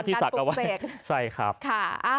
ที่สักเอาไว้